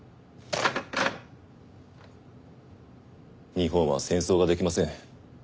日本は戦争ができません。